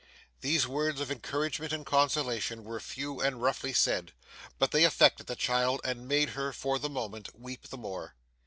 These words of encouragement and consolation were few and roughly said, but they affected the child and made her, for the moment, weep the more.